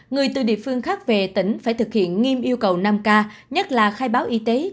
người từ địa phương khác về tỉnh phải thực hiện nghiêm yêu cầu năm k nhất là khai báo y tế